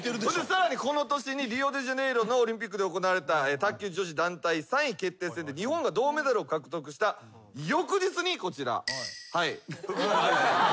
さらにこの年にリオデジャネイロのオリンピックで行われた卓球女子団体３位決定戦で日本が銅メダルを獲得した翌日にこちら。